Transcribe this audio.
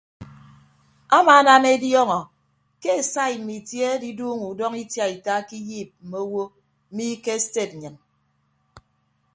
Amaanam ediọọñọ ke esai mme itie adiduuñọ udọñọ itiaita ke iyiip mme owo mi ke sted nnyịn.